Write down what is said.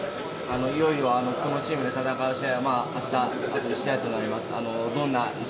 いよいよこのチームで戦う試合は、あした、あと１試合となります。